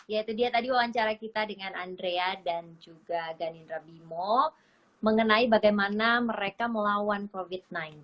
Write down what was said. ya itu dia tadi wawancara kita dengan andrea dan juga ghanindra bimo mengenai bagaimana mereka melawan covid sembilan belas